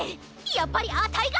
やっぱりあたいが！